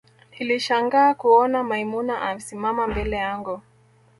nilishangaa kuona maimuna amesimama mbele yangu